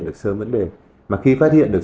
được sớm vấn đề mà khi phát hiện được